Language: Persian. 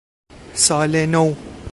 سال نو